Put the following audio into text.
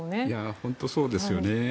本当にそうですよね。